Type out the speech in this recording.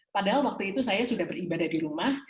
padahal waktu itu saya sudah beribadah di rumah